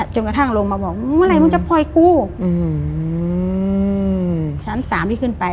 จนกระทั่งลงมาบอกอื้มอะไรมึงจะโพยกูอื้อชั้นสามที่ขึ้นไป